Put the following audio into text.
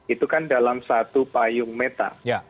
itu kan dalam satu payung meta